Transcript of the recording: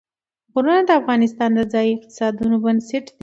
غرونه د افغانستان د ځایي اقتصادونو بنسټ دی.